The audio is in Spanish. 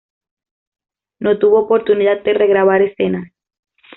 No tuvo oportunidad de re-grabar escenas.